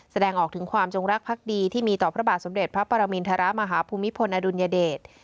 แสดงออกถึงความจงรักภักดีที่มีต่อพระบาทสมเด็จพระปรมินทรมาฮภูมิพลอดุลยเดช